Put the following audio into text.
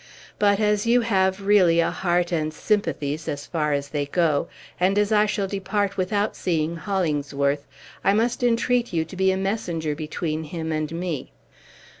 But, as you have really a heart and sympathies, as far as they go, and as I shall depart without seeing Hollingsworth, I must entreat you to be a messenger between him and me."